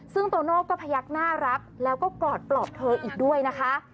ซึ่งโตโน่ก็พยักหน้ารับแล้วก็กอดปลอบเธออีกด้วยนะคะ